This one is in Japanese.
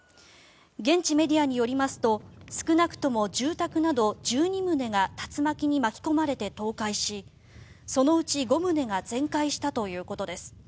現地メディアによりますと少なくとも住宅など１２棟が竜巻に巻き込まれて倒壊しそのうち５棟が全壊したということです。